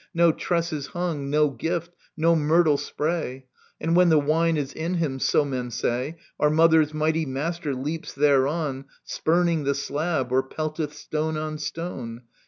No tresses hung, no gift, no myrtle spray. And when the wine is in him, so men say. Our mother's mighty master leaps thereon. Spurning the slab, or pelteth stone on stone.